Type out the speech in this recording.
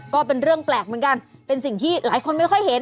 ก็เป็นเรื่องแปลกเหมือนกันเป็นสิ่งที่หลายคนไม่ค่อยเห็น